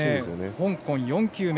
香港４球目。